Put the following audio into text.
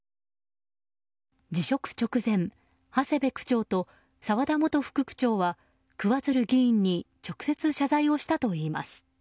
辞職直前、長谷部区長と澤田元副区長は桑水流議員に直接、謝罪をしたといいます。